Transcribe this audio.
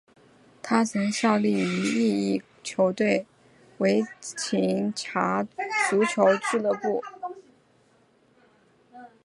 他曾效力于意乙球队维琴察足球俱乐部。